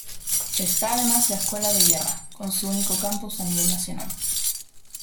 Está además la Escuela de Guerra, con su único campus a nivel nacional.